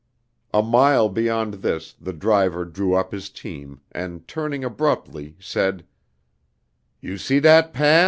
A mile beyond this the driver drew up his team, and turning abruptly, said: "You see dat paf?"